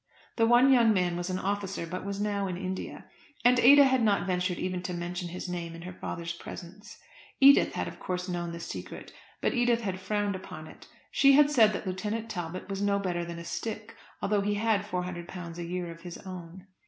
The one young man was an officer, but was now in India, and Ada had not ventured even to mention his name in her father's presence. Edith had of course known the secret, but Edith had frowned upon it. She had said that Lieutenant Talbot was no better than a stick, although he had £400 a year of his own.